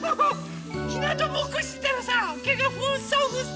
ひなたぼっこしてたらさけがふっさふっさ。